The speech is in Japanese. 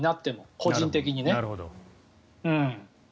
個人的にね。